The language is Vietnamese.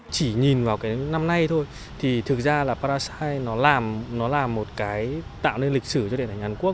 chỉ nhìn vào cái năm nay thôi thì thực ra là parasite nó làm nó là một cái tạo nên lịch sử cho điện ảnh hàn quốc